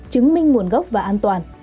chứng minh nguồn gốc và an toàn